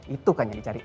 itu kan yang dicariin